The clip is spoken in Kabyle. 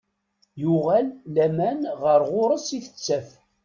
Yuɣal laman ɣer ɣur-s i tettaf.